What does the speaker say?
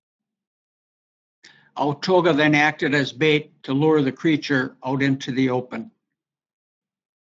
Ouatoga then acted as bait to lure the creature out into the open.